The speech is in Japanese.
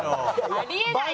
あり得ないよ。